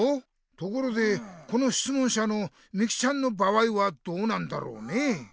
ところでこのしつもんしゃのみきちゃんの場合はどうなんだろうね？